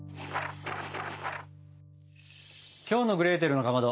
きょうの「グレーテルのかまど」